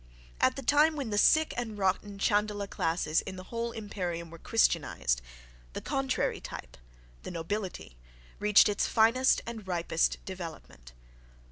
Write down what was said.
At the time when the sick and rotten Chandala classes in the whole imperium were Christianized, the contrary type, the nobility, reached its finest and ripest development.